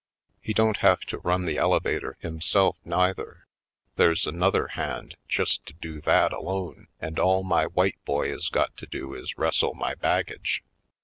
He don't have to run the elevator himself, neither. There's another hand just to do that alone and all my white boy is got to do is wrestle my baggage.